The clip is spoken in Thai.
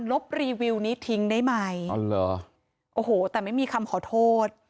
บรีวิวนี้ทิ้งได้ไหมอ๋อเหรอโอ้โหแต่ไม่มีคำขอโทษ